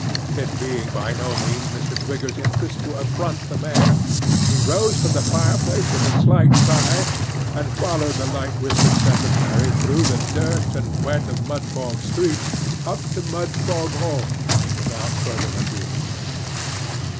It being by no means Mr. Twigger's interest to affront the Mayor, he rose from the fireplace with a slight sigh, and followed the light whiskered secretary through the dirt and wet of Mudfog streets, up to Mudfog Hall, without further ado.